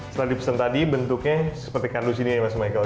setelah dipesan tadi bentuknya seperti kandu sini ya mas michael